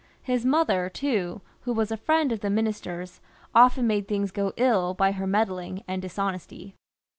His mother, too, who was a friend of the minister's, often made things go ill by her meddling and dishonesty.